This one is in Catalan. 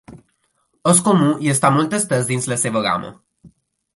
És comú i està molt estès dins la seva gama.